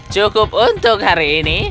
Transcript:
cukup untuk hari ini